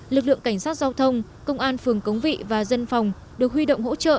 lực lượng cảnh sát giao thông công an phường cống vị và dân phòng được huy động hỗ trợ